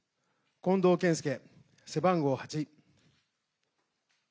近藤健介、背番号８。